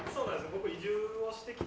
僕、移住をしてきて。